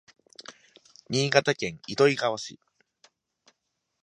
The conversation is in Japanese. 新潟県糸魚川市